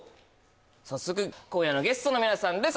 早速今夜のゲストの皆さんです